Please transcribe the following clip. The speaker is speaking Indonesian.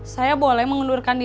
saya boleh mengundurkan diri